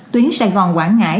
tuyến sài gòn quảng ngãi